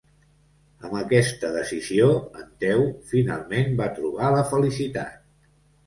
Amb aquesta decisió, en Theo finalment va trobar la felicitat.